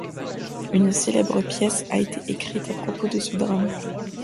Une célèbre pièce a été écrite à propos de ce drame.